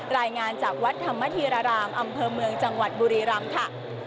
รายงานจากวัดธรรมธีรารามอำเภอเมืองจังหวัดบุรีรำค่ะ